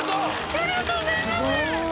ありがとうございます。